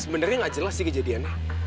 sebenarnya nggak jelas sih kejadiannya